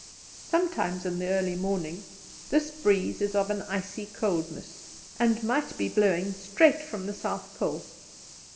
Sometimes, in the early morning, this breeze is of an icy coldness, and might be blowing straight from the South Pole.